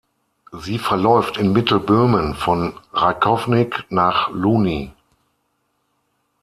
Sie verläuft in Mittelböhmen von Rakovník nach Louny.